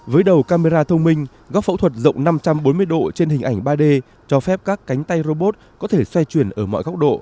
với đầu camera thông minh góc phẫu thuật rộng năm trăm bốn mươi độ trên hình ảnh ba d cho phép các cánh tay robot có thể xoay chuyển ở mọi góc độ